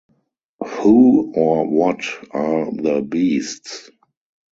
Who, or what are the 'beasts'?